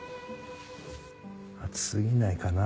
熱すぎないかな？